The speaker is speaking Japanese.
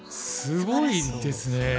すごいですね。